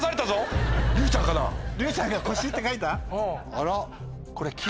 あら。